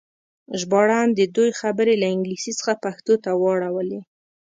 ژباړن د دوی خبرې له انګلیسي څخه پښتو ته واړولې.